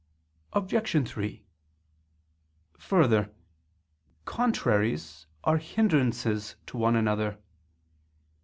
Obj. 3: Further, contraries are hindrances to one another.